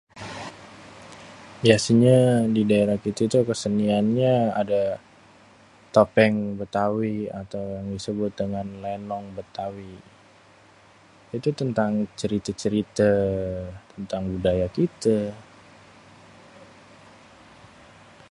biasênyê di daerah kita tuh keseniannyê ada topeng bétawi atau yang disebut dengan lénong bétawi itu tentang ceritê-ceritê, tentang budaya kitê.